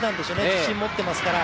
自信を持っていますから。